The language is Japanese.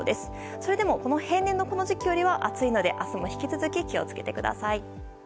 それでも平年のこの時期よりは低いので明日も引き続き気を付けてください。